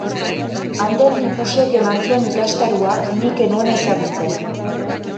Ander Lipusek eman zuen ikastaroa nik ez nuen ezagutzen.